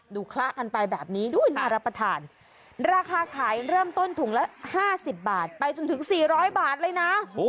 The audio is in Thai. คละกันไปแบบนี้น่ารับประทานราคาขายเริ่มต้นถุงละ๕๐บาทไปจนถึง๔๐๐บาทเลยนะ